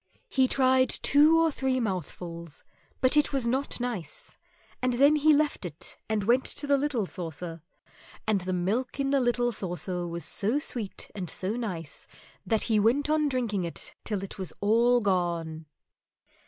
He tried two or three mouthfuls, but it was not nice, and then he left it and went to the little saucer, and the milk in the little saucer was so sweet and so nice that he went on drinking it till it was all gone.